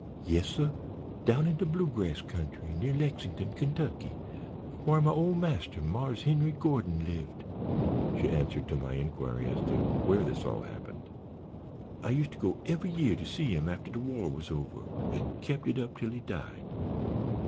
"Yes, suh, down in the blue grass country, near Lexin'ton, Kentucky, whar my ole master, Marse Henry Gordon, lived," she answered to my inquiry as to where this all happened. "I used to go eve'y year to see him after de war was over, an' kep' it up till he died.